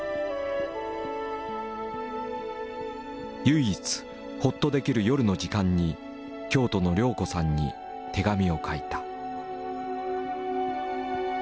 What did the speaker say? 唯一ほっとできる夜の時間に京都の亮子さんに手紙を書いた。